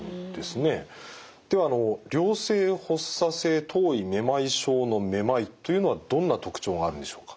ではあの良性発作性頭位めまい症のめまいというのはどんな特徴があるんでしょうか？